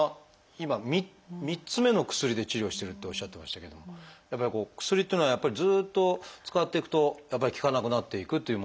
今３つ目の薬で治療してるっておっしゃってましたけども薬っていうのはやっぱりずっと使っていくとやっぱり効かなくなっていくっていうものですか？